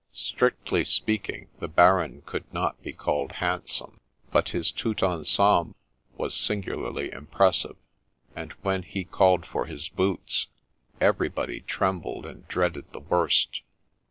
Strictly speaking, the Baron could not be called handsome : but his tout ensemble was singularly impressive : and when he called for his boots, everybody trembled and dreaded the worst.